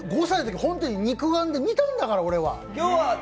５歳のとき本当に肉眼で見たんだから俺は。